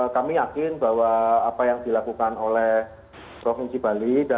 kami yakin bahwa apa yang dilakukan oleh provinsi bali